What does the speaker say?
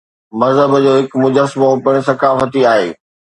مذهب جو هڪ مجسمو پڻ ثقافتي آهي.